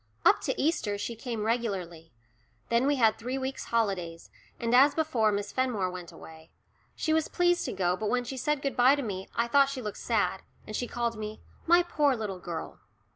Up to Easter she came regularly. Then we had three weeks' holidays, and as before, Miss Fenmore went away. She was pleased to go, but when she said good bye to me I thought she looked sad, and she called me "my poor little girl."